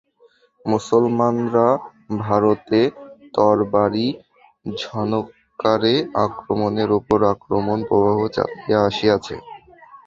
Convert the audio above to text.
মুসলমানরা ভারতে তরবারি-ঝনৎকারে আক্রমণের উপর আক্রমণ-প্রবাহ চালাইয়া আসিয়াছে।